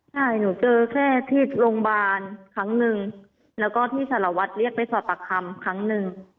ใช่หนูเจอแค่ที่โรงพยาบาลครั้งหนึ่งแล้วก็ที่สารวัตรเรียกไปสอบปากคำครั้งหนึ่ง